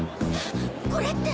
これって。